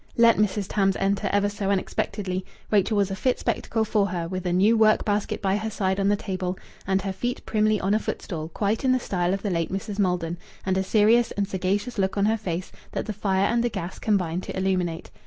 Let Mrs. Tams enter ever so unexpectedly, Rachel was a fit spectacle for her, with a new work basket by her side on the table, and her feet primly on a footstool, quite in the style of the late Mrs. Maldon, and a serious and sagacious look on her face that the fire and the gas combined to illuminate.